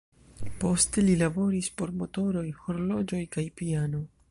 Poste li laboris por motoroj, horloĝoj kaj piano.